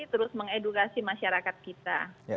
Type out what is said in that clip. terus mengedukasi masyarakat kita